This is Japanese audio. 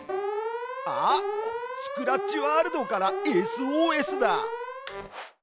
あっスクラッチワールドからＳＯＳだ！